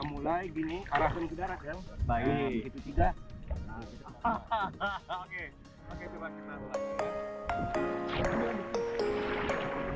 oke coba kita lanjutkan